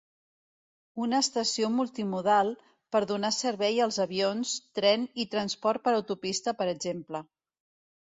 Una estació multimodal pot donar servei als avions, tren i transport per autopista per exemple.